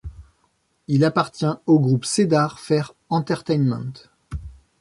Il appartient au groupe Cedar Fair Entertainment.